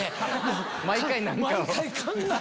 毎回何かを。